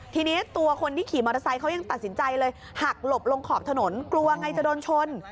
ทีนี้ตัวคนที่ขี่มอเตอร์ไซค์เขายังตัดสินใจเลยหักหลบลงขอบถนนกลัวไงจะโดนชน